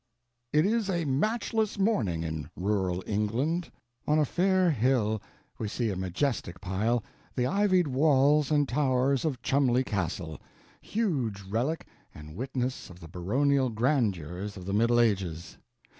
It is a matchless morning in rural England. On a fair hill we see a majestic pile, the ivied walls and towers of Cholmondeley Castle, huge relic and witness of the baronial grandeurs of the Middle Ages.